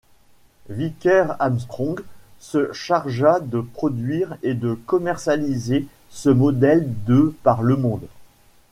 Vickers-Armstrong se chargea de produire et de commercialiser ce modèle de par le monde.